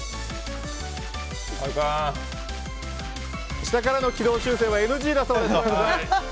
下からの軌道修正はＮＧだそうです。